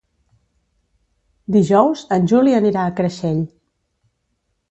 Dijous en Juli anirà a Creixell.